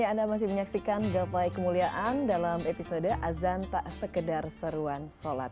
ya anda masih menyaksikan gapai kemuliaan dalam episode azan tak sekedar seruan sholat